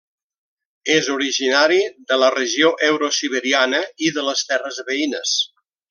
És originari de la regió euro-siberiana i de les terres veïnes.